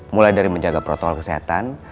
mulai dari menjaga protokol kesehatan